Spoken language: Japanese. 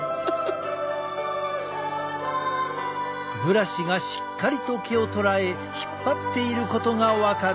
ブラシがしっかりと毛をとらえ引っ張っていることが分かる。